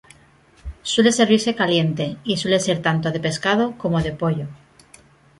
Suele servirse caliente y suele ser tanto de pescado como de pollo.